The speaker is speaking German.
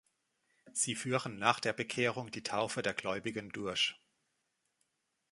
Sie führen nach der Bekehrung die Taufe der Gläubigen durch.